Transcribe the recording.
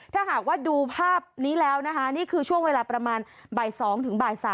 ถ้าหากว่าดูภาพนี้แล้วนะคะนี่คือช่วงเวลาประมาณบ่าย๒ถึงบ่าย๓